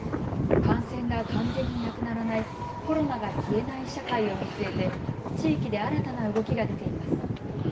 感染が完全になくならないコロナが消えない社会を見据えて地域で新たな動きが出ています。